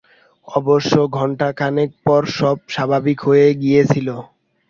অবশ্য ঘন্টাখানেক পর সব স্বাভাবিক হয়ে গিয়েছিল।